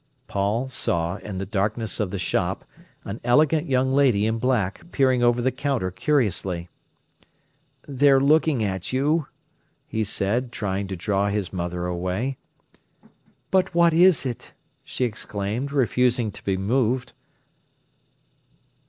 Paul saw, in the darkness of the shop, an elegant young lady in black peering over the counter curiously. "They're looking at you," he said, trying to draw his mother away. "But what is it?" she exclaimed, refusing to be moved.